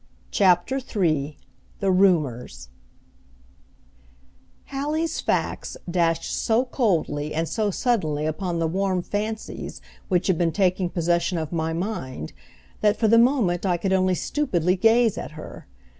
CHAPTER III THE RUMORS Hallie's facts dashed so coldly and so suddenly upon the warm fancies which had been taking possession of my mind, that for the moment I could only stupidly gaze at her.